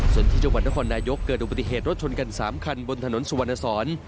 ส่วนที่จังหวัดนครนายกเกิดอุบัติเหตุรถชนกัน๓คันบนถนนสุวรรณสอน